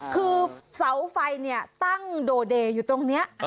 คือเสาไฟเนี่ยตั้งโดเดย์อยู่ตรงนี้